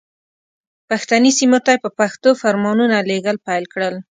پښتني سیمو ته یې په پښتو فرمانونه لېږل پیل کړل.